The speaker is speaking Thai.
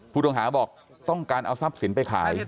ผู้ต้องหาบอกต้องการเอาทรัพย์สินไปขาย